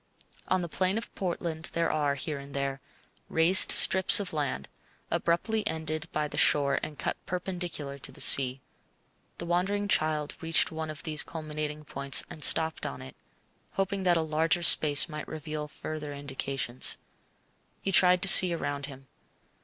On the plain of Portland there are, here and there, raised strips of land, abruptly ended by the shore and cut perpendicular to the sea. The wandering child reached one of these culminating points and stopped on it, hoping that a larger space might reveal further indications. He tried to see around him.